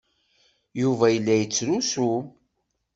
Yuba yella yettrusu.